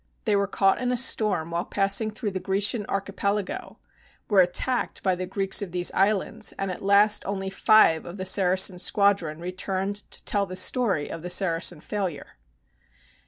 They were caught in a storm while passing through the Grecian Archipelago, were attacked by the Greeks of these islands, and at last only five of the Saracen squadron returned to tell the story of the Saracen failure.